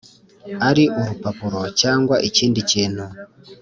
ari urupapuro cyangwa ikindi kintu.